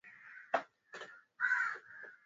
Ongeza mafuta yakifuatiwa vitunguu